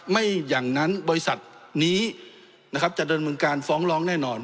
ไม่อย่างนั้นบริษัทนี้นะครับจะเดินเมืองการฟ้องร้องแน่นอน